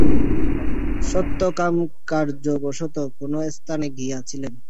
সত্যকাম কার্যবশত কোন স্থানে গিয়াছিলেন।